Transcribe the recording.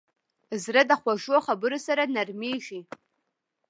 زړه د خوږو خبرو سره نرمېږي.